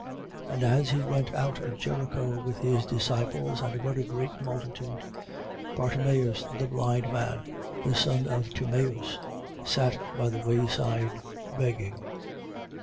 And as he went out of Jericho with his disciples and a very great multitude, Bartimeus the blind man, the son of Timeus, sat by the way side begging.